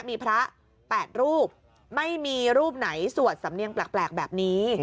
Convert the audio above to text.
มีพระ๘รูปไม่มีรูปไหนสวดสำเนียงแปลกแบบนี้